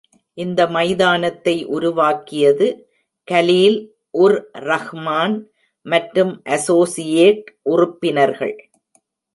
இந்த மைதானத்தை உருவாக்கியது கலீல்-உர்-ரஹ்மான் மற்றும் அசோசியேட் உறுப்பினர்கள்.